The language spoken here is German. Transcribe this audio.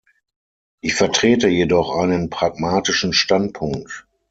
Ich vertrete jedoch einen pragmatischen Standpunkt.